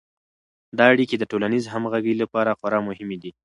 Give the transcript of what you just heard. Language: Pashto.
دا اړیکې د ټولنیز همغږي لپاره خورا مهمې دي.